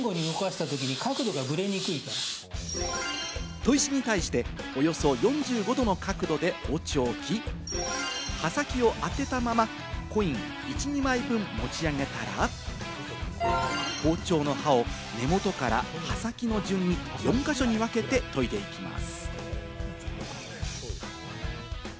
砥石に対しておよそ４５度の角度で包丁を置き、刃先を当てたまま、コイン１２枚分を持ち上げたら、包丁の刃を根元から刃先の順に、４か所に分けて研いでいきます。